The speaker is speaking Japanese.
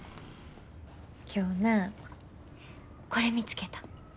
今日なこれ見つけた。